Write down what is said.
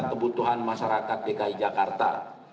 kebutuhan masyarakat dki jakarta